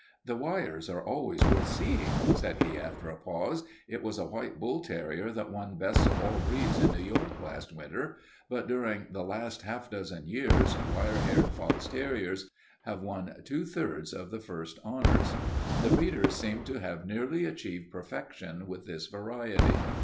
"The wires are always worth seeing," said he, after a pause. "It was a white bull terrier that won best of all breeds in New York last winter, but during the last half dozen years wire haired fox terriers have won two thirds of the first honors. The breeders seem to have nearly achieved perfection with this variety.